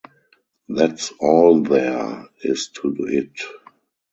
That's all there is to it.